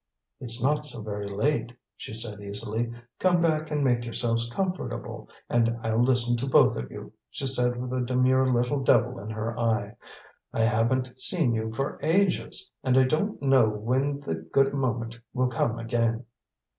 "It's not so very late," she said easily. "Come back and make yourselves comfortable, and I'll listen to both of you," she said with a demure little devil in her eye. "I haven't seen you for ages, and I don't know when the good moment will come again."